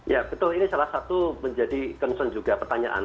ya betul ini salah satu menjadi concern juga pertanyaan